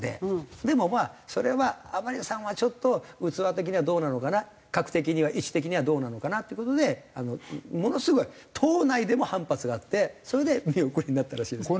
でもまあそれは甘利さんはちょっと器的にはどうなのかな格的には位置的にはどうなのかなって事でものすごい党内でも反発があってそれで見送りになったらしいです。